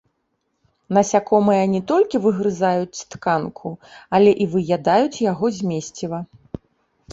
Насякомыя не толькі выгрызаюць тканку, але і выядаюць яго змесціва.